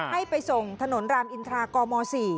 ให้ไปส่งถนนรามอินทรากม๔